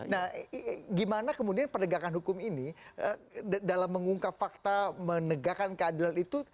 nah gimana kemudian penegakan hukum ini dalam mengungkap fakta menegakkan keadilan itu